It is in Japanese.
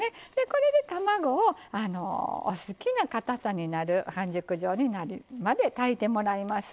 これで卵をお好きなかたさになる半熟状になるまで炊いてもらいます。